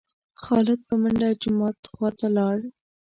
خالد په منډه جومات خوا ته لاړ.